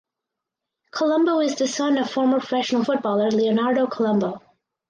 Colombo is the son of former professional footballer Leonardo Colombo.